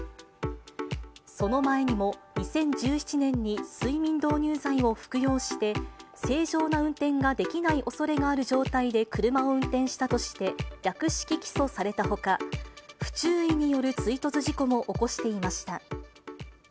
その前にも２０１７年に睡眠導入剤を服用して正常な運転ができないおそれがある状態で車を運転したとして、略式起訴されたほか、不注意による追突事故も起こしていました。